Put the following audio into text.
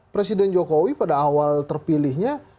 presiden jokowi pada awal terpilihnya